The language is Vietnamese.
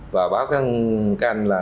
và báo các anh là